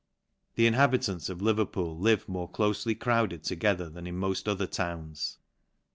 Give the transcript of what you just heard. The inhabitants of Leverpool live nore clofely crowded together than in moil other owns.